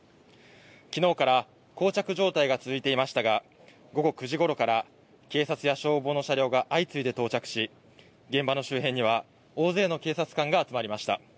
きのうから、こう着状態が続いていましたが午後９時ごろから警察や消防の車両が相次いで到着し現場の周辺には大勢の警察官が集まりました。